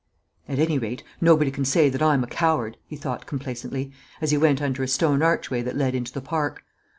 "At any rate, nobody can say that I'm a coward," he thought complacently, as he went under a stone archway that led into the park.